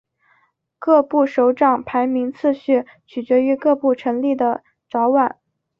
各部首长排名次序取决于各部成立的早晚。